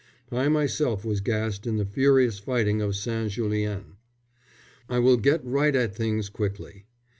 I myself was gassed in the furious fighting at St. Julien. I will get right at things quickly.